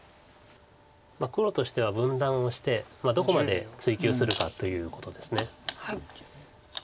黒としては分断をしてどこまで追及するかということです。